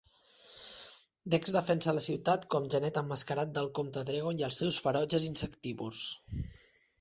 Dex defensa la ciutat com Genet Emmascarat del comte Dregon i els seus ferotges insectívors.